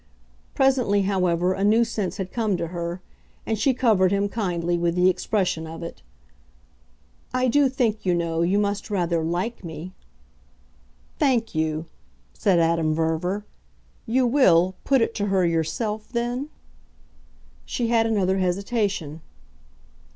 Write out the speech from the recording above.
Presently, however, a new sense had come to her, and she covered him, kindly, with the expression of it. "I do think, you know, you must rather 'like' me." "Thank you," said Adam Verver. "You WILL put it to her yourself then?" She had another hesitation.